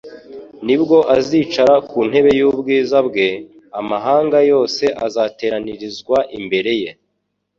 nibwo azicara ku ntebe y'ubwiza bwe. Amahanga yose azateranirizwa, imbere ye.